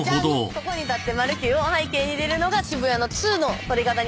ここに立ってマルキューを背景に入れるのが渋谷の通の撮り方になってます。